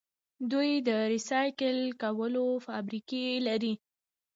دوی د ریسایکل کولو فابریکې لري.